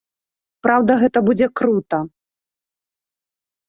Праўда, гэта будзе крута.